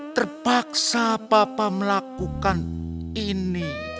terpaksa papa melakukan ini